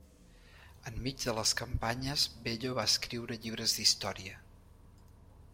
Enmig de les campanyes Bello va escriure llibres d'història.